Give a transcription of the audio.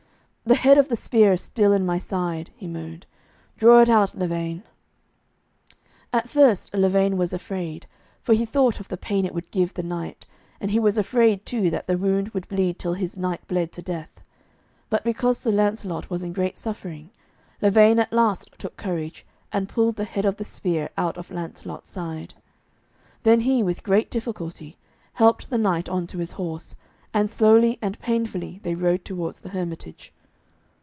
'The head of the spear is still in my side,' he moaned; 'draw it out, Lavaine.' At first Lavaine was afraid, for he thought of the pain it would give the knight, and he was afraid too that the wound would bleed till his knight bled to death. But because Sir Lancelot was in great suffering, Lavaine at last took courage, and pulled the head of the spear out of Lancelot's side. Then he, with great difficulty, helped the knight on to his horse, and slowly and painfully they rode towards the hermitage.